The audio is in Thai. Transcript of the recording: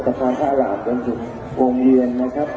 จะทาง๕หลานจนถึงวงเยือนนะครับ